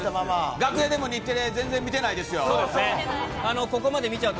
楽屋でも全然日テレ見てないですよ。